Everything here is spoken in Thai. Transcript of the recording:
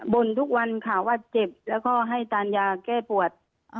ทุกวันค่ะว่าเจ็บแล้วก็ให้ทานยาแก้ปวด